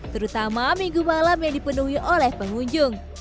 terutama minggu malam yang dipenuhi oleh pengunjung